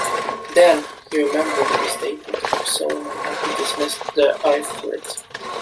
Then, he remembered the statement of Solomon and he dismissed the Ifrit.